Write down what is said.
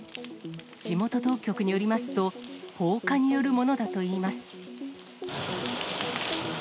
地元当局によりますと、放火によるものだといいます。